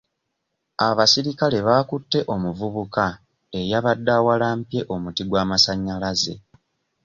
Abaserikale baakutte omuvubuka eyabadde awalampye omuti gw'amasannyalaze.